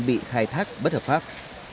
các bệnh viện khai thác bất hợp pháp